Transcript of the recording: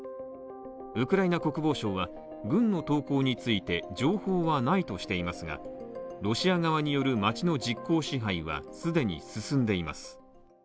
ウクライナ国防省は、軍の投降について情報はないとしていますがロシア側による街の実効支配は既に進んでいます。